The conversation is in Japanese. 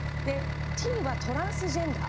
Ｔはトランスジェンダー。